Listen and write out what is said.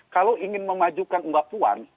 kalau ingin memajukan mbak puan